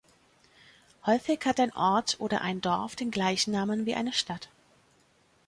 Häufig hat ein Ort oder ein Dorf den gleichen Namen wie eine Stadt.